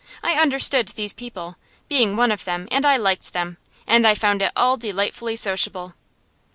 I understood these people, being one of them, and I liked them, and I found it all delightfully sociable.